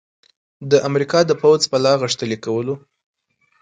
د امریکا د پوځ په لاغښتلي کولو